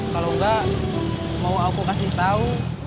kalau enggak mau aku kasih tahu